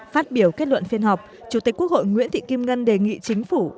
phát biểu kết luận phiên họp chủ tịch quốc hội nguyễn thị kim ngân đề nghị chính phủ